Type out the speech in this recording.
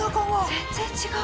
全然違う。